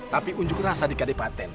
tapi unjuk rasa dikade patent